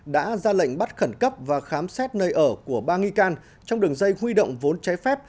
đã ra lệnh bắt khẩn cấp và khám xét nơi ở của ba nghi can trong đường dây huy động vốn trái phép